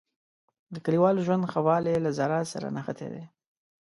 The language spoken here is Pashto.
د کلیوالو ژوند ښه والی له زراعت سره نښتی دی.